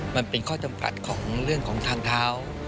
มันเป็นข้อจำกัดของเรื่องของทางเท้า